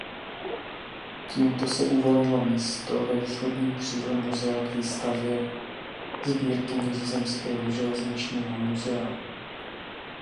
Tímto se uvolnilo místo ve východním křídle muzea k výstavě sbírky Nizozemského železničního muzea.